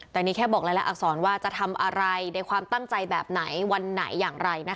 แต่นี่แค่บอกรายละอักษรว่าจะทำอะไรในความตั้งใจแบบไหนวันไหนอย่างไรนะคะ